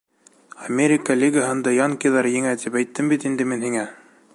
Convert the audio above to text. — Америка лигаһында «Янкиҙар» еңә тип әйттем бит инде мин һиңә.